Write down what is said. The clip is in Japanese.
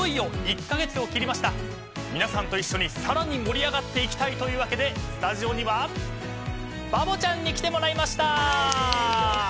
皆さんと一緒にさらに盛り上がっていきたいというわけでスタジオにはバボちゃんに来てもらいました。